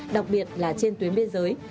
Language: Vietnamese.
đặc biệt là trên tuyến biên giới